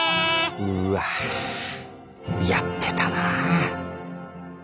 うわやってたな。